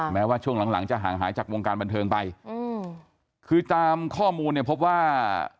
แม้ว่าช่วงหลังจะห่างหายจากวงการบันเทิงไปคือตามข้อมูลพบว่า